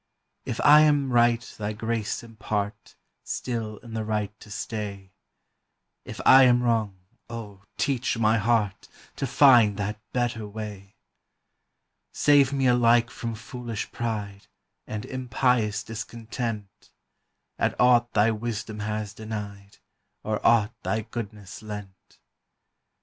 If I am right thy grace impart Still in the right to stay; If I am wrong, O, teach my heart To find that better way! Save me alike from foolish pride And impious discontent At aught thy wisdom has dented, Or aught thy goodness lent.